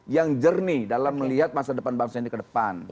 yang jernih dalam melihat masa depan bangsa ini ke depan